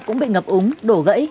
cũng bị ngập úng đổ gãy